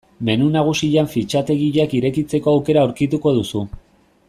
Menu nagusian fitxategiak irekitzeko aukera aurkituko duzu.